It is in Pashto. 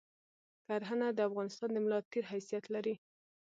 کرهنه د افغانستان د ملاتیر حیثیت لری